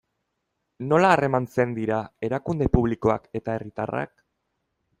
Nola harremantzen dira erakunde publikoak eta herritarrak?